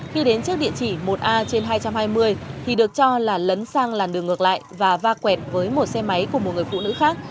khi đến trước địa chỉ một a trên hai trăm hai mươi thì được cho là lấn sang làn đường ngược lại và va quẹt với một xe máy của một người phụ nữ khác